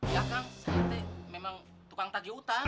ya kang saya teteh memang tukang tagih utang